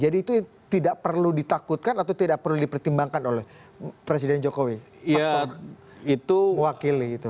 jadi itu tidak perlu ditakutkan atau tidak perlu dipertimbangkan oleh presiden jokowi